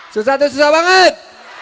susah atau susah banget